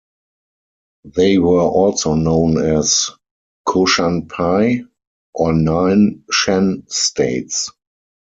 They were also known as "Koshanpye" or "Nine Shan States".